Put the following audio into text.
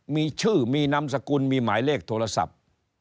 มีชื่อมีนามสกุลมีหมายเลขโทรศัพท์